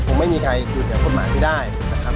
คงไม่มีใครอยู่เหนือกฎหมายไม่ได้นะครับ